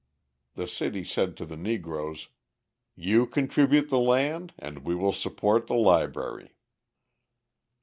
The city said to the Negroes: "You contribute the land and we will support the library."